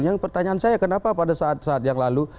yang pertanyaan saya kenapa pada saat saat yang lalu